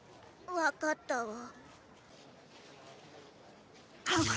分かったわ。